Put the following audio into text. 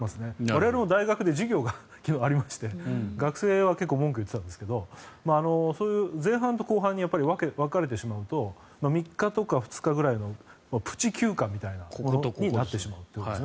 我々の大学でも昨日、授業がありまして学生は結構文句を言っていたんですがそういう前半と後半に分かれてしまうと３日とか２日ぐらいのプチ休暇みたいなことになってしまうと。